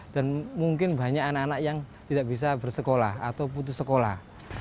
dan mungkin banyak anak anak yang tidak bisa bersekolah atau putus sekolah